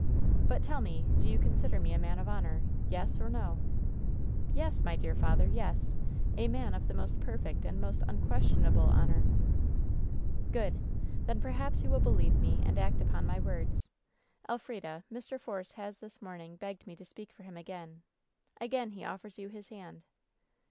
" 'But tell me, do you consider me a man of honor ? Yes, or no !*" 'Yes, my dear father ; yes. A man of the most per fect and most imquestionable honor,' I replied. " 'Good ! Then perhaps you will believe me and act upon my words. Elfrida, Mr. Force has this morning begged me to speak for him again. Again he offers you his hand.'